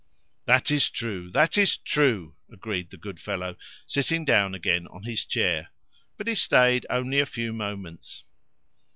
"That is true! that is true!" agreed the good fellow, sitting down again on his chair. But he stayed only a few moments.